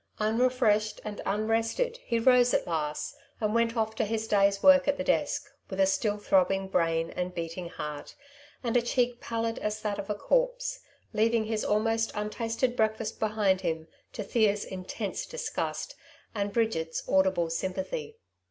Un refreshed and unrested he rose at last, and went off to his day^s work at the desk with a still throbbing brain and beating heart, and a cheek palid as that of a corpse, leaving his almost untasted breakfast behind him, to Thea's intense disgust, and Bridget^s audible sympathy.